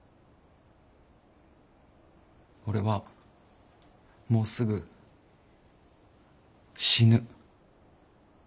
俺はもうすぐ死ぬ。